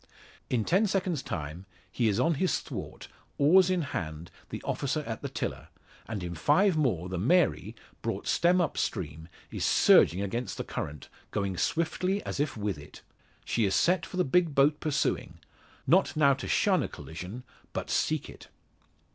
In ten seconds' time he is on his thwart, oars in hand, the officer at the tiller; and in five more, the Mary, brought stem up stream, is surging against the current, going swiftly as if with it. She is set for the big boat pursuing not now to shun a collision, but seek it.